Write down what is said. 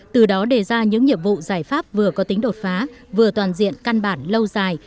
từ đó đề ra những nhiệm vụ giải pháp vừa có tính đột phá vừa toàn diện căn bản lâu dài